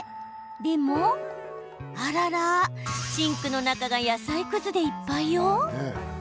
でもあらら、シンクの中が野菜くずでいっぱいよ。